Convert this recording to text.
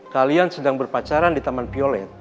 kalian sedang berpacaran di taman piolet